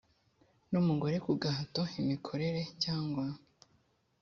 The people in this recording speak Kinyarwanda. n umugore ku gahato imikorere cyangwa